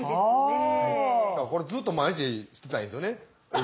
これずっと毎日してたらいいんですよね。